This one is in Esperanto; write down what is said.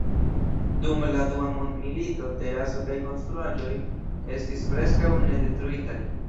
Dum la Dua Mondmilito, teraso kaj konstruaĵoj estis preskaŭ ne detruitaj.